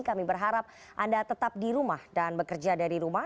kami berharap anda tetap di rumah dan bekerja dari rumah